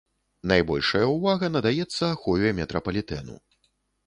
Найбольшая ўвага надаецца ахове метрапалітэну.